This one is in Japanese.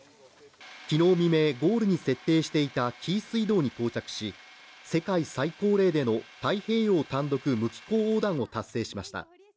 昨日未明、ゴールに設定していた紀伊水道に到着し、世界最高齢での太平洋単独無寄港横断を達成しました。